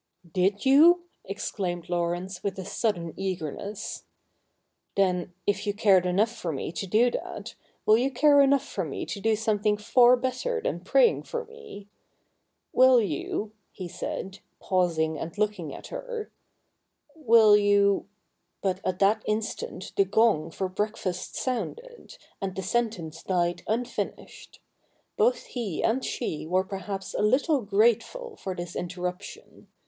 'Did you?' exclaimed Laurence with a sudden eagerness. ' Then, if you cared enough for me to do that, will you care enough for me to do something far better than praying for me ? Will you —' he said, pausing and looking at her ;' will you —' But at that instant the gong for breakfast sounded, and the sentence died unfinished. Both he and she were perhaps a little grateful for this interruption.